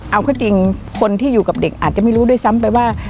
เอาเข้าจริงคนที่อยู่กับเด็กอาจจะไม่รู้ด้วยซ้ำไปว่า